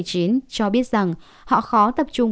cho biết rằng họ khó tập trung